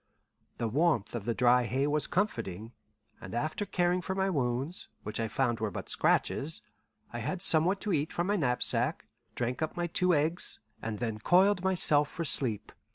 The warmth of the dry hay was comforting, and after caring for my wounds, which I found were but scratches, I had somewhat to eat from my knapsack, drank up two eggs, and then coiled myself for sleep.